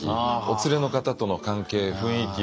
お連れの方との関係雰囲気。